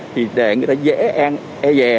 thì để người ta dễ e dè